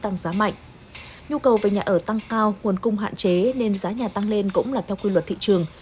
nhu cầu về nhà ở tăng cao nguồn cung hạn chế nên giá nhà tăng lên cũng là theo quy luật thị trường